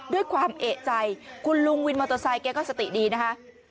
ด้วยความเอกใจคุณลุงวินมอเตอร์ไซค์แกก็สติดีนะคะ